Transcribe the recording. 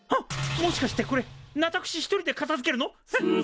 もしかしてこれ私一人でかたづけるの！？